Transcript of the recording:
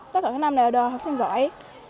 tất cả các năm này là học sinh giỏi